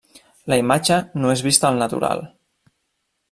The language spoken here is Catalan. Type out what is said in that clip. La imatge no és vista al natural.